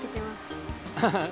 ハハハ